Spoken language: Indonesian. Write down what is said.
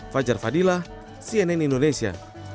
fajar fadilah cnn indonesia